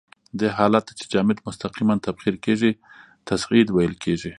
دې حالت ته چې جامد مستقیماً تبخیر کیږي تصعید ویل کیږي.